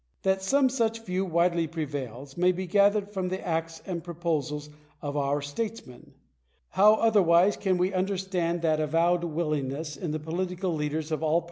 That some such view widely prevails may be gathered from the acts and proposals of our statesmen. How otherwise can we under stand that avowed willingness in the political leaders of all par ' The writer has himself been that addressed.